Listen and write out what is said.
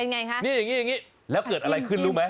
นี่อย่างนี้แล้วเกิดอะไรขึ้นรู้ไหม